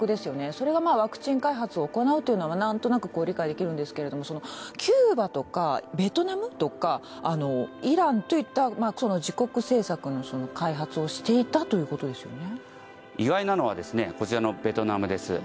それがワクチン開発を行うというのはなんとなく理解できるんですけれどもキューバとかベトナムとかイランといった自国製作の開発をしていたということですよね。